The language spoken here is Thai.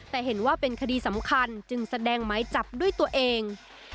แต่เห็นว่าเป็นคดีสำคัญจึงแสดงหมายจับด้วยตัวเอง